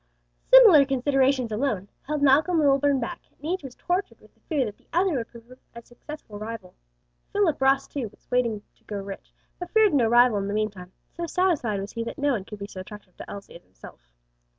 Similar considerations alone held Malcom Lilburn back, and each was tortured with the fear that the other would prove a successful rival. Philip Ross, too, was waiting to grow rich, but feared no rival in the meantime; so satisfied was he that no one could be so attractive to Elsie as himself.